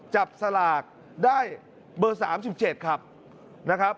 จับสลากได้เบอร์๓๗ครับ